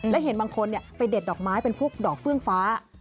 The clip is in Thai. และเห็นบางคนไปเด็ดดอกไม้เป็นพวกดอกเฟื่องฟ้า